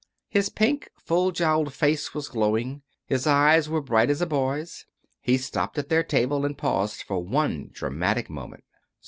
His pink, full jowled face was glowing. His eyes were bright as a boy's. He stopped at their table and paused for one dramatic moment.